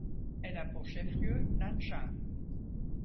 Elle a pour chef-lieu Nanchang.